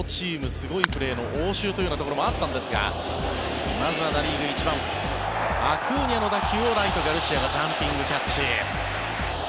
すごいプレーの応酬というところもあったんですがまずはア・リーグ１番アクーニャＪｒ．の打球をライト、ガルシアがジャンピングキャッチ。